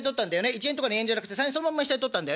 １円とか２円じゃなくて３円そのまんま下に取ったんだよね。